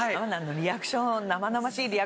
リアクション。